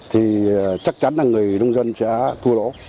thì chắc chắn là người nông dân sẽ thua lỗ